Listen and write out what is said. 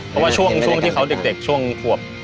เพราะว่าช่วงที่เขาเด็กช่วงขวบ